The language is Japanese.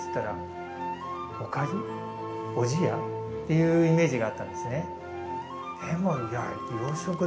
いうイメージがあったんですね。